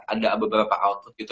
ada beberapa outlook gitu